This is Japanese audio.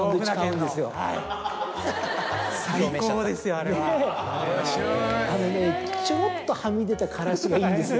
あれねちょろっとはみ出たからしがいいんですよ。